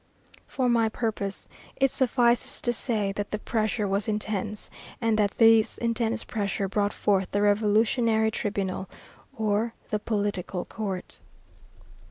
For my purpose it suffices to say that the pressure was intense, and that this intense pressure brought forth the Revolutionary Tribunal, or the political court.